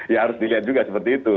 ya harus dilihat juga seperti itu